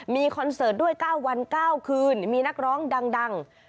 มีคอนเสิร์ตด้วย๙วัน๙คืนมีนักร้องดัง